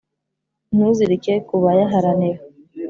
ntuzirike ku bayaharanira.